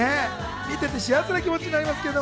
見てて幸せな気持ちになりますけど。